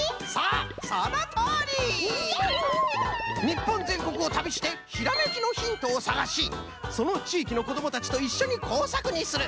日本全国を旅してひらめきのヒントを探しその地域の子どもたちといっしょに工作にする。